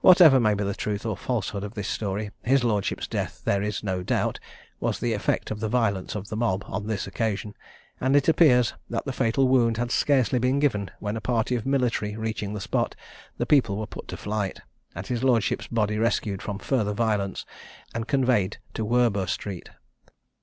Whatever may be the truth or falsehood of this story, his lordship's death, there is no doubt, was the effect of the violence of the mob on this occasion; and it appears, that the fatal wound had scarcely been given, when a party of military reaching the spot, the people were put to flight, and his lordship's body rescued from further violence, and conveyed to Werburgh street.